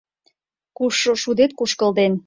Кушшо шудет кушкылден.